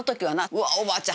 「うわっおばあちゃん